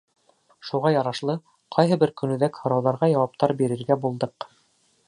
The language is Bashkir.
Шуға ярашлы, ҡайһы бер көнүҙәк һорауҙарға яуаптар бирергә булдыҡ.